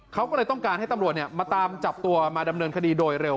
เขาก็เลยต้องการให้ตำรวจมาตามจับตัวมาดำเนินคดีโดยเร็ว